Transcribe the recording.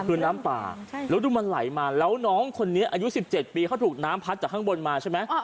คือน้ำป่าแล้วดูมันไหลมาแล้วน้องคนนี้อายุ๑๗ปีเขาถูกน้ำพัดจากข้างบนมาใช่ไหม